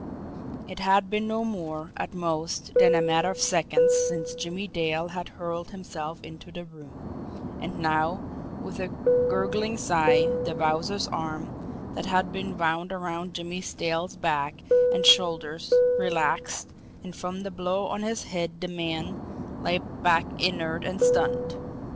It had been no more, at most, than a matter of seconds since Jimmie Dale had hurled himself into the room; and now, with a gurgling sigh, the Wowzer's arms, that had been wound around Jimmie Dale's back and shoulders, relaxed, and, from the blow on his head the man, lay back inert and stunned.